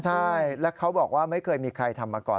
ใช่แล้วเขาบอกว่าไม่เคยมีใครทำมาก่อน